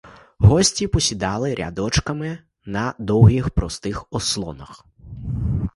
Гості посідали рядочками на довгих простих ослонах.